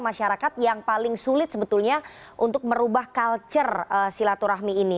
masyarakat yang paling sulit sebetulnya untuk merubah culture silaturahmi ini